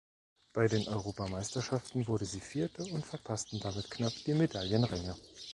Bei den Europameisterschaften wurden sie vierte und verpassten damit knapp die Medaillenränge.